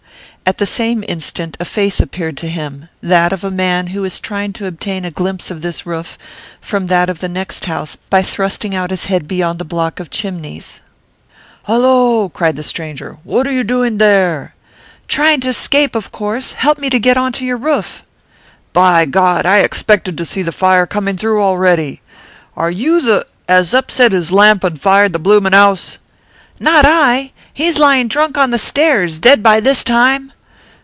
At the same instant a face appeared to him that of a man who was trying to obtain a glimpse of this roof from that of the next house by thrusting out his head beyond the block of chimneys. 'Hollo!' cried the stranger. 'What are you doing there?' 'Trying to escape, of course. Help me to get on to your roof.' 'By God! I expected to see the fire coming through already. Are you the as upset his lamp an' fired the bloomin' 'ouse?' 'Not I! He's lying drunk on the stairs; dead by this time.